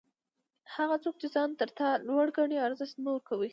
هغه څوک چي ځان تر تاسي لوړ ګڼي؛ ارزښت مه ورکوئ!